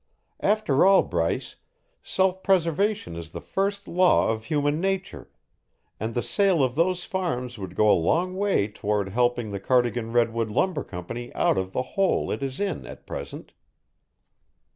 After all, Bryce, self preservation is the first law of human nature, and the sale of those farms would go a long way toward helping the Cardigan Redwood Lumber Company out of the hole it is in at present."